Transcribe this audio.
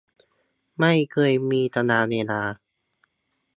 ไม่เคยมีตารางเวลา